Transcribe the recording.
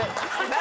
何？